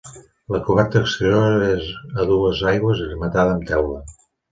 La coberta exterior és a dues aigües i rematada amb teula.